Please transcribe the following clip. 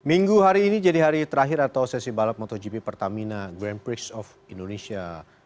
minggu hari ini jadi hari terakhir atau sesi balap motogp pertamina grand prix of indonesia